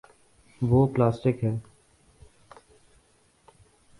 وہ پلاسٹک ہے۔